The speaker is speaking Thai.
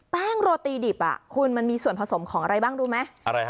แป้งโรตีดิบมันมีส่วนผสมของอะไรบ้างดูมะ